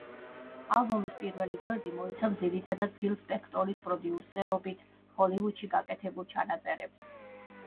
ალბომის პირველი გვერდი მოიცავს ძირითადად ფილ სპექტორის პროდიუსერობით ჰოლივუდში გაკეთებულ ჩანაწერებს.